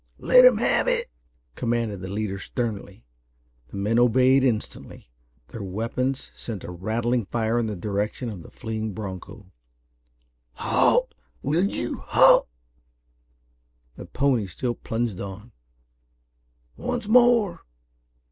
"Let him have it!" commanded the leader sternly. The men obeyed instantly. Their weapons sent a rattling fire in the direction of the fleeing broncho. "Halt! Will you halt!" The pony still plunged on. "Once more!"